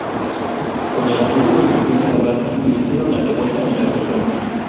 Con el apoyo de Venustiano Carranza iniciaron la revuelta en la región.